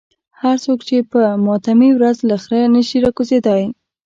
هر څوک چې په ماتمي ورځ له خره نشي راکوزېدای.